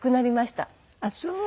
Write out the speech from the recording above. あっそう。